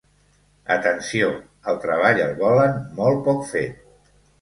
Atenció, el treball el volen molt poc fet.